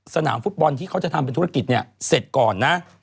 สนามฟุตบอลที่เขาจะทำเป็นธุรกิจเนี่ยเสร็จก่อนนะ